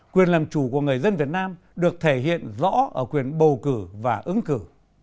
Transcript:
quyền làm chủ của người dân việt nam được thể hiện rõ ở quyền bầu cử và ứng cử